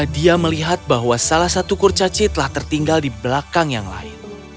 dia melihat bahwa salah satu kurcaci telah tertinggal di belakang yang lain